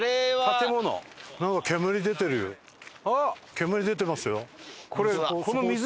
煙出てますよ。